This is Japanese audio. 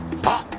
あっ！